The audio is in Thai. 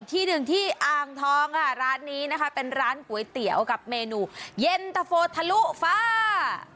ที่หนึ่งที่อ่างทองค่ะร้านนี้นะคะเป็นร้านก๋วยเตี๋ยวกับเมนูเย็นตะโฟทะลุฟ้า